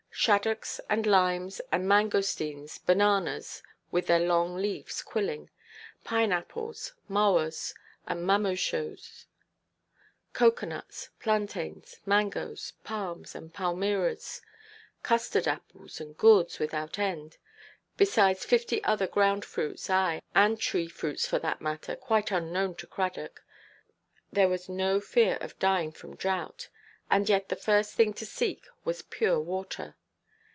Shaddocks, and limes, and mangosteens, bananas—with their long leaves quilling—pineapples, mawas, and mamoshoes, cocoa–nuts, plantains, mangoes, palms, and palmyras, custard–apples, and gourds without end—besides fifty other ground–fruits, ay, and tree–fruits for that matter, quite unknown to Cradock, there was no fear of dying from drought; and yet the first thing to seek was pure water.